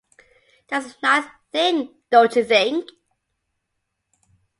That's a nice thing, don't you think?